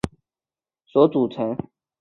皮肤是由表皮及真皮所组成。